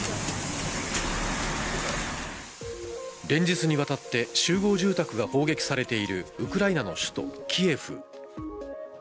連日にわたって集合住宅が砲撃されているウクライナの首都キエフ。